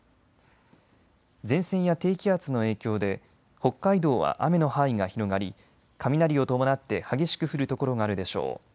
前線や低気圧の影響で北海道は雨の範囲が広がり雷を伴って激しく降る所があるでしょう。